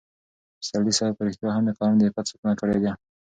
پسرلي صاحب په رښتیا هم د قلم د عفت ساتنه کړې ده.